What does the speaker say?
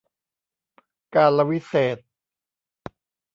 กาลวิเศษณ์